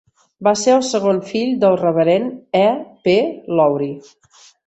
Va ser el segon fill del reverend E. P. Lowry.